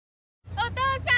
お父さん！